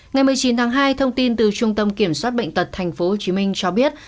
ngày một mươi chín tháng hai thông tin từ trung tâm kiểm soát bệnh tật tp hcm cho biết